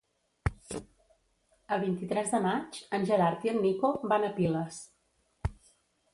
El vint-i-tres de maig en Gerard i en Nico van a Piles.